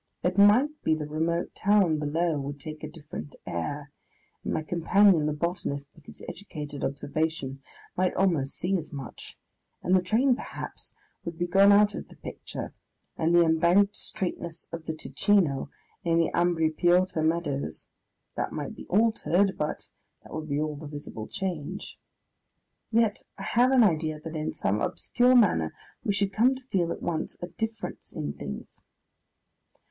It might be the remote town below would take a different air, and my companion the botanist, with his educated observation, might almost see as much, and the train, perhaps, would be gone out of the picture, and the embanked straightness of the Ticino in the Ambri Piotta meadows that might be altered, but that would be all the visible change. Yet I have an idea that in some obscure manner we should come to feel at once a difference in things.